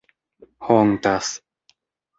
hontas